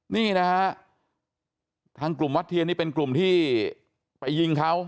นี่นะฮะทางกลุ่มวัดเทียนนี่เป็นกลุ่มที่ไปยิงเขา